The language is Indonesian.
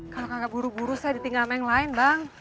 kalau kakak buru buru saya ditinggal sama yang lain bang